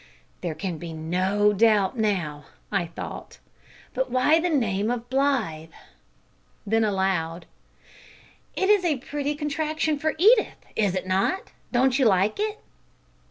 "There can be no doubt now," I thought; "but why that name of Blythe?" Then aloud: "It is a pretty contraction for Edith, is it not? Don't you like it?"